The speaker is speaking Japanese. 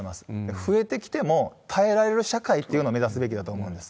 増えてきても耐えられる社会というのを目指すべきだと思います。